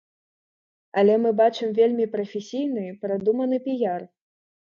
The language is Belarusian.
Але мы бачым вельмі прафесійны, прадуманы піяр.